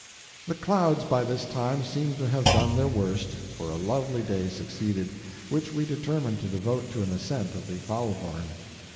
The clouds by this time seemed to have done their worst, for a lovely day succeeded, which we determined to devote to an ascent of the Faulhorn.